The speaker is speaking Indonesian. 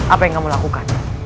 apa yang kamu lakukan